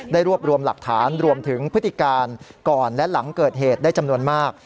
รวบรวมหลักฐานรวมถึงพฤติการก่อนและหลังเกิดเหตุได้จำนวนมาก